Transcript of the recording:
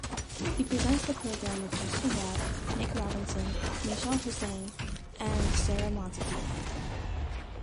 He presents the programme with Justin Webb, Nick Robinson, Mishal Husain and Sarah Montague.